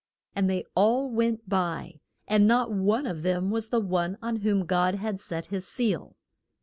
And they all went by, and not one of them was the one on whom God had set his seal.